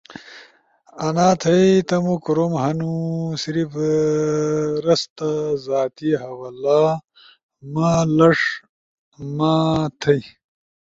انا تھئی تم کوروم ہنو، صرف رستا زاتی حوالہ ۔مہ لݜ ما تھئی